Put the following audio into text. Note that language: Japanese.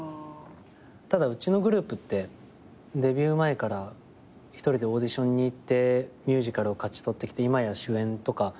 ただうちのグループってデビュー前から一人でオーディションに行ってミュージカルを勝ち取ってきていまや主演とか。